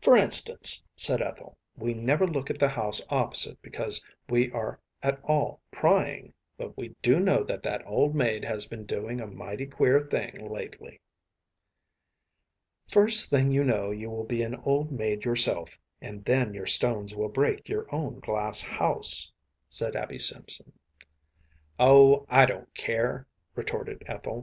“For instance,‚ÄĚ said Ethel, “we never look at the house opposite because we are at all prying, but we do know that that old maid has been doing a mighty queer thing lately.‚ÄĚ “First thing you know you will be an old maid yourself, and then your stones will break your own glass house,‚ÄĚ said Abby Simson. “Oh, I don’t care,‚ÄĚ retorted Ethel.